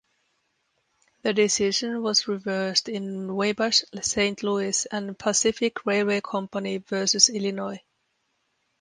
The decision was reversed in Wabash, Saint Louis and Pacific Railway Company versus Illinois.